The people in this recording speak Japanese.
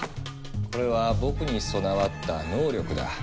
これは僕に備わった「能力」だ。